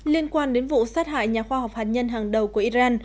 liên quan đến vụ sát hại nhà khoa học hạt nhân hàng đầu của iran